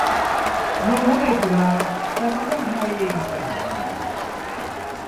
รวมทั้งในจุฬา แต่สังคมไทยเองมีปัญหาอะไร